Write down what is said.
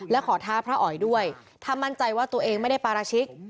และขอท้าพระอ๋อยด้วยถ้ามั่นใจว่าตัวเองไม่ได้ปาราชิก